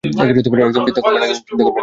একদম চিন্তা করবেন না!